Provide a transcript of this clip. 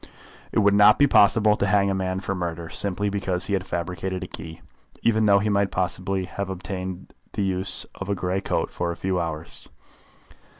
It would not be possible to hang a man for a murder simply because he had fabricated a key, even though he might possibly have obtained the use of a grey coat for a few hours.